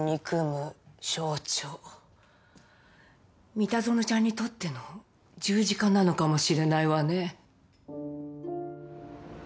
三田園ちゃんにとっての十字架なのかもしれないわね。